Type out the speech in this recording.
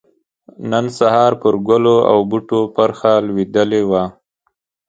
نن سحار پر ګلو او بوټو پرخه لوېدلې وه